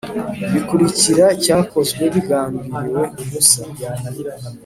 bikurikira cyakozwe bigambiriwe gusa